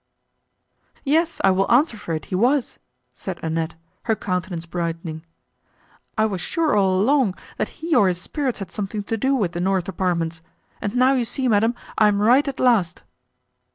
"Yes, I will answer for it he was," said Annette, her countenance brightening, "I was sure all along, that he or his spirits had something to do with the north apartments, and now you see, madam, I am right at last."